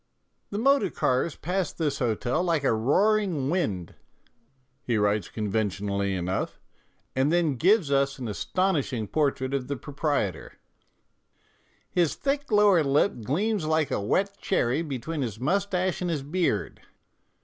"The motor cars pass this hotel like a roaring wind," he writes conventionally enough, and then gives us an astonishing portrait of the proprietor :" His thick lower lip gleams like a wet cherry between his moustache and his beard."